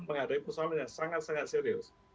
menghadapi persoalan yang sangat sangat serius